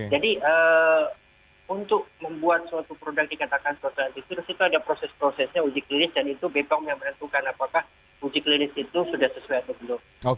jadi untuk membuat suatu produk dikatakan solidarity trial itu ada proses prosesnya uji klinis dan itu bepom yang merentukan apakah uji klinis itu sudah sesuai atau belum